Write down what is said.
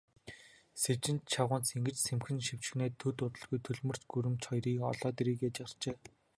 Сэвжид чавганц ингэж сэмхэн шивнэчхээд, төд удалгүй төлгөч гүрэмч хоёрыг олоод ирье гээд гарчээ.